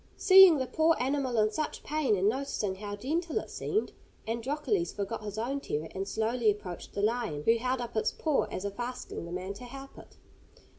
Seeing the poor animal in such pain, and noticing how gentle it seemed, Androcles forgot his own terror, and slowly approached the lion, who held up its paw as if asking the man to help it.